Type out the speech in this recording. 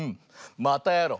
またやろう！